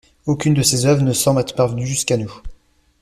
Aucune de ses œuvres ne semble être parvenue jusqu'à nous.